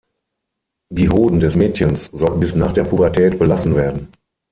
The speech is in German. Die Hoden des Mädchens sollten bis nach der Pubertät belassen werden.